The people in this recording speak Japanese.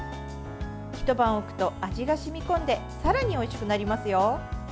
ひと晩置くと味が染み込んでさらにおいしくなりますよ。